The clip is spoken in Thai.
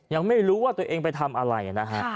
ยังไม่รู้ว่าตัวเองไปทำอะไรนะฮะ